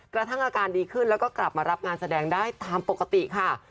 กระทั่งอาการดีขึ้นแล้วก็กลับมารับงานแสดงได้ตามปกติค่ะ